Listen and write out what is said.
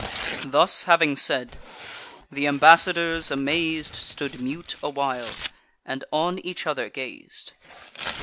Thus having said—th' embassadors, amaz'd, Stood mute a while, and on each other gaz'd.